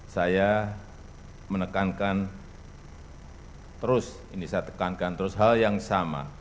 saya menekankan terus hal yang sama